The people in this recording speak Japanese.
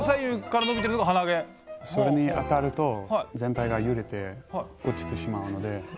それに当たると全体がゆれて落ちてしまうので。